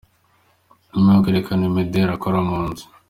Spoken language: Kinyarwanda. Nyuma yo kwerekana imideli akora mu nzu.